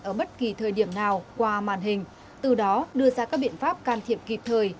ở bất kỳ thời điểm nào qua màn hình từ đó đưa ra các biện pháp can thiệp kịp thời